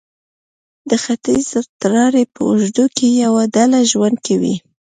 د ختیځې تراړې په اوږدو کې یوه ډله ژوند کوي.